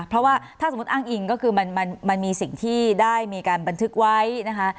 เพราะว่าถ้าสมมุติอ้างอิงก็คือมันมีสิ่งที่ได้มีการบันทึกไว้นะคะ